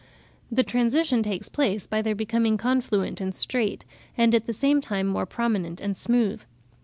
The transition takes place by their becoming confluent and straight, and at the same time more prominent and smooth.